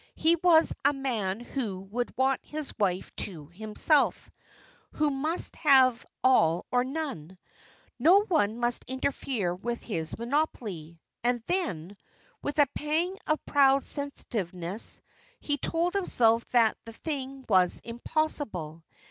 He was a man who would want his wife to himself, who must have all or none. No one must interfere with his monopoly. And then, with a pang of proud sensitiveness, he told himself that the thing was impossible.